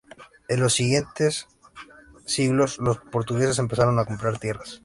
En los siglos siguientes, los portugueses empezaron a comprar tierras.